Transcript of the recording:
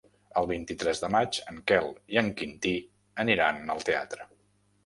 El vint-i-tres de maig en Quel i en Quintí aniran al teatre.